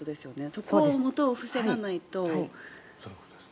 そこを、もとを防がないと。